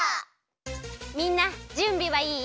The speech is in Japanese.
みんなじゅんびはいい？